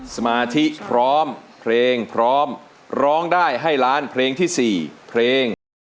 สมาธิพร้อมเพลงพร้อมร้องได้ให้ล้านเพลงที่๔เพลง